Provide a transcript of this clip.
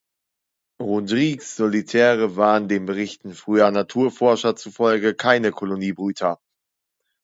Rodrigues-Solitäre waren den Berichten früher Naturforscher zufolge keine Koloniebrüter.